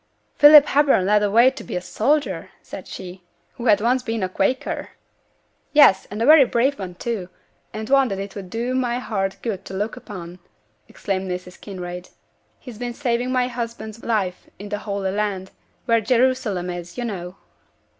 'Philip Hepburn led away to be a soldier!' said she, 'who had once been a Quaker?' 'Yes, and a very brave one too, and one that it would do my heart good to look upon,' exclaimed Mrs. Kinraid. 'He's been saving my husband's life in the Holy Land, where Jerusalem is, you know.'